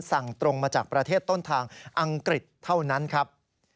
ส่งตรงมาจากประเทศต้นทางอังกฤษเท่านั้นครับ